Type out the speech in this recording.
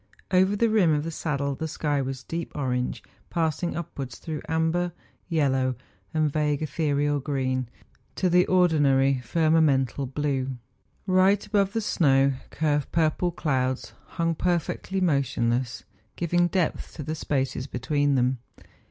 Over the rim of the saddle the sky was deep orange passing upwards through amber, yellow, and vague ethereal green to the ordinary firmamental 40 MOUNTAIN ADVENTURES. blue. Eight above the snow curve purple clouds hung perfectly motionless,, giving depth to the spaces between them.